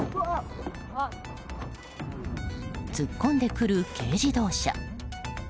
突っ込んでくる軽自動車。